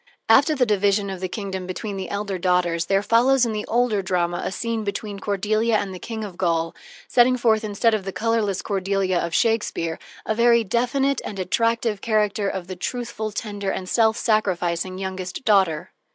After the division of the kingdom between the elder daughters, there follows in the older drama a scene between Cordelia and the King of Gaul, setting forth, instead of the colorless Cordelia of Shakespeare, a very definite and attractive character of the truthful, tender, and self sacrificing youngest daughter.